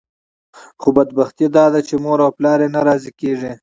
خو بدبختي داده چې مور او پلار یې نه راضي کېږي.